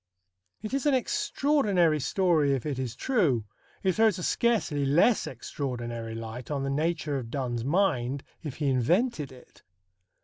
It is an extraordinary story, if it is true. It throws a scarcely less extraordinary light on the nature of Donne's mind, if he invented it.